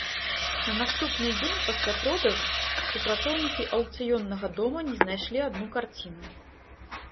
На наступны дзень пасля продажу супрацоўнікі аўкцыённага дома не знайшлі адну карціну.